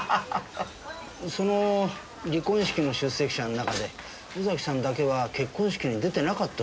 その離婚式の出席者の中で尾崎さんだけは結婚式に出てなかったそうですね？